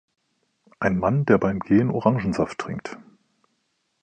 Ein Mann, der beim Gehen Orangensaft trinkt.